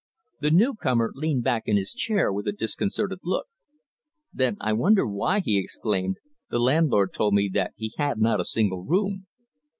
The newcomer leaned back in his chair with a disconcerted look. "Then I wonder why," he exclaimed, "the landlord told me that he had not a single room."